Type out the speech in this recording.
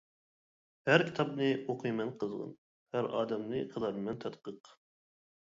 ھەر كىتابنى ئوقۇيمەن قىزغىن، ھەر ئادەمنى قىلارمەن تەتقىق.